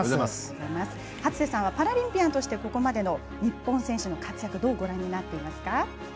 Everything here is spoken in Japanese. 初瀬さんはパラリンピアンとしてここまでの日本選手の活躍どうご覧になっていますか？